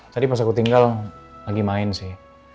tadi pas aku tinggal lagi main sih